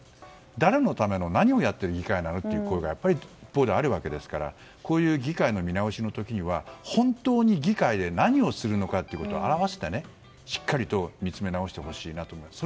誰のために何をやっているところなのという声が一方ではあるわけですから議会の見直しの時には本当に議会で何をするのかということを表してしっかり見つめなおしてほしいと思います。